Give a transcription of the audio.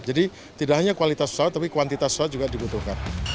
jadi tidak hanya kualitas pesawat tapi kuantitas pesawat juga dibutuhkan